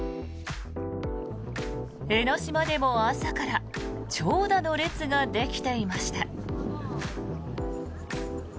江の島でも朝から長蛇の列ができていました。